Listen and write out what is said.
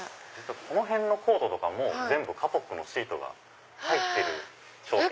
この辺のコートとかも全部カポックのシートが入ってる商品。